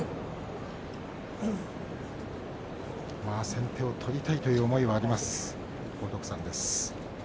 先手を取りたいという思いはあります、荒篤山です。